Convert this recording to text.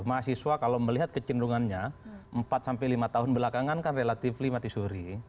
mahasiswa kalau melihat kecenderungannya empat sampai lima tahun belakangan kan relatif mati suri